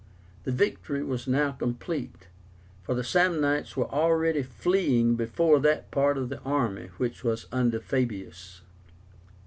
The victory was now complete, for the Samnites were already fleeing before that part of the army which was under Fabius.